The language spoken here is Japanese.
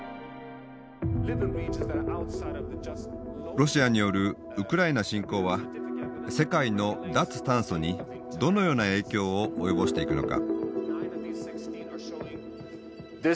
ロシアによるウクライナ侵攻は世界の脱炭素にどのような影響を及ぼしていくのか。